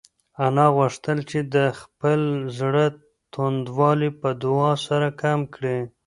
انا غوښتل چې د خپل زړه توندوالی په دعا سره کم کړي.